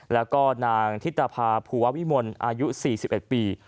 แล้วก็นางธิตภาพัววิมลอายุ๔๑ปี